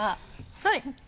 はい！